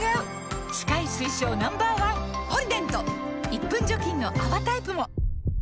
１分除菌の泡タイプも！